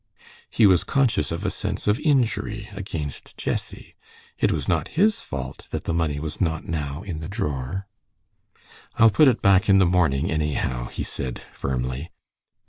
He was conscious of a sense of injury against Jessie. It was not his fault that that money was not now in the drawer. "I'll put it back in the morning, anyhow," he said, firmly.